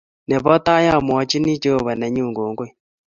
Ne bo tai amwachini Jehova nenyu kongoi.